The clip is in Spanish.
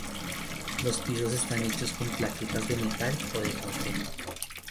Los pisos están hechos con plaquetas de metal o de concreto.